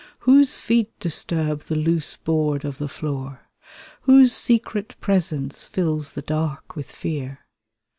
Whose feet disturb the loose board of the floor? Whose secret presence fills the dark with fear?